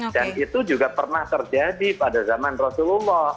dan itu juga pernah terjadi pada zaman rasulullah